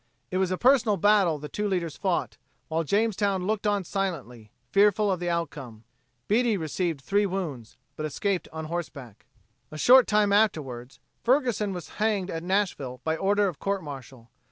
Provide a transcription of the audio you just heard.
It was a personal battle the two leaders fought, while Jamestown looked on silently, fearful of the outcome. Beaty received three wounds, but escaped on horseback. A short time afterward Ferguson was hanged at Nashville by order of court martial.